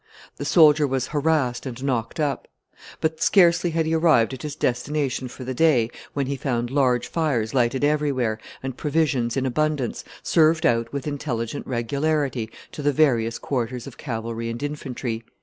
The soldier was harassed and knocked up. But scarcely had he arrived at his destination for the day, when he found large fires lighted everywhere, and provisions in abundance, served out with intelligent regularity to the various quarters of cavalry and infantry.